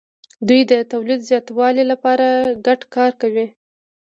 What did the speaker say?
دوی د تولید د زیاتوالي لپاره ګډ کار کوي.